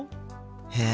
へえ。